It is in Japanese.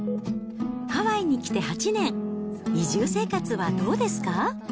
ハワイに来て８年、移住生活はどうですか？